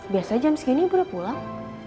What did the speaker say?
biasa jam segini ibu udah pulang